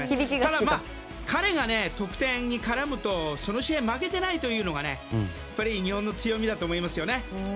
ただ、彼が得点に絡むとその試合は負けていないというのが日本の強みだと思いますよね。